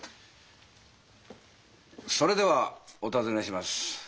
それではお尋ねします。